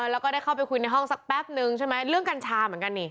แล้วก็ได้เข้าไปคุยในห้องสักแป๊บนึงใช่ไหมเรื่องกัญชาเหมือนกันนี่